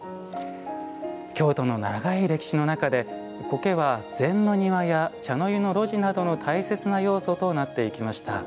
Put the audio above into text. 京都の長い歴史の中で苔は禅の庭や茶の湯の露地などの大切な要素となっていきました。